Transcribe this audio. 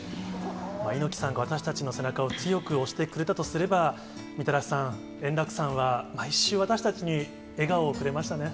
猪木さんが私たちの背中を強く押してくれたとすれば、みたらしさん、円楽さんは毎週、私たちに笑顔をくれましたね。